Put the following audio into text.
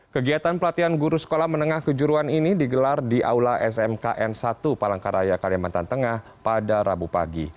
kegiatan pelatihan guru sekolah menengah kejuruan ini digelar di aula smkn satu palangkaraya kalimantan tengah pada rabu pagi